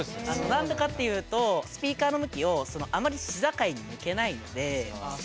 何でかっていうとスピーカーの向きをあまり市境に向けないので。